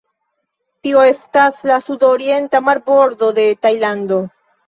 Tio estas la sudorienta marbordo de Tajlando.